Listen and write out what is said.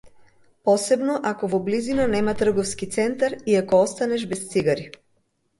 Посебно ако во близина нема трговски центар и ако останеш без цигари.